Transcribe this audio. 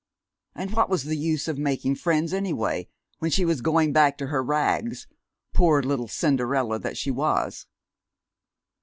And what was the use of making friends, any way, when she was going back to her rags, poor little Cinderella that she was!